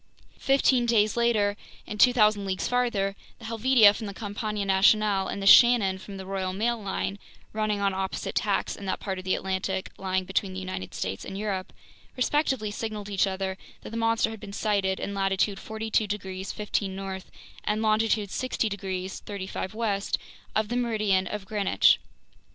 Fifteen days later and 2,000 leagues farther, the Helvetia from the Compagnie Nationale and the Shannon from the Royal Mail line, running on opposite tacks in that part of the Atlantic lying between the United States and Europe, respectively signaled each other that the monster had been sighted in latitude 42 degrees 15' north and longitude 60 degrees 35' west of the meridian of Greenwich.